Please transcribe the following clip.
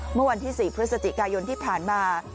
เมื่อวันที่๔พฤศจิกายนที่ผ่านมา